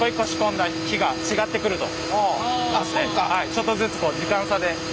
ちょっとずつ時間差で。